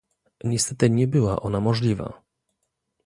Niestety nie była ona możliwa